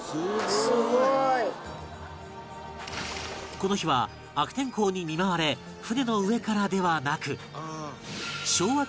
この日は悪天候に見舞われ船の上からではなく